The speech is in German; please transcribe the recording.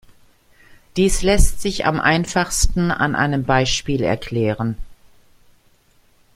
Dies lässt sich am einfachsten an einem Beispiel erklären.